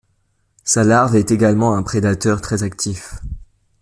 Sa larve est également un prédateur très actif.